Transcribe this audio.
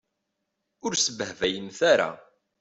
Ur sbehbayemt ara.